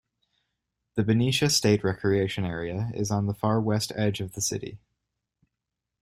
The Benicia State Recreation Area is on the far west edge of the city.